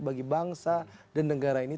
bagi bangsa dan negara ini